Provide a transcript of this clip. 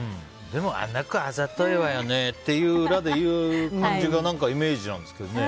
でも、あの子あざといわよねって裏で言う感じがイメージなんですけどね。